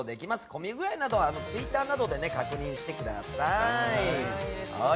混み具合などはツイッターなどで確認してください。